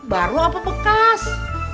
baru apa bekas